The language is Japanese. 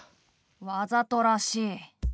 わざとらしい。